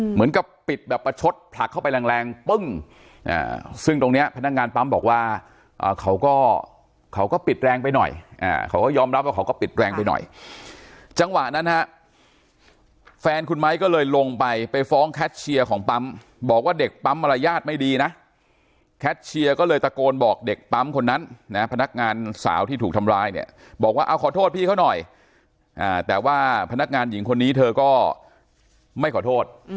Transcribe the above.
เหมือนกับปิดแบบประชดผลักเข้าไปแรงแรงปึ้งอ่าซึ่งตรงเนี้ยพนักงานปั๊มบอกว่าอ่าเขาก็เขาก็ปิดแรงไปหน่อยอ่าเขาก็ยอมรับว่าเขาก็ปิดแรงไปหน่อยจังหวะนั้นฮะแฟนคุณไม้ก็เลยลงไปไปฟ้องแคชเชียร์ของปั๊มบอกว่าเด็กปั๊มมารยาทไม่ดีนะแคชเชียร์ก็เลยตะโกนบอกเด็กปั๊มคนนั้นนะฮะพนักงานส